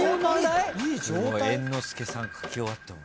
猿之助さん書き終わった。